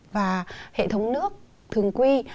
và hệ thống nước thường quy